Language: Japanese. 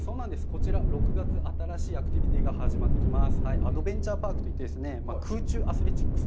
こちら６月、新しいアクティビティーが始まります。